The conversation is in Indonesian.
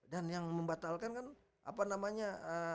dan yang membatalkan kan apa namanya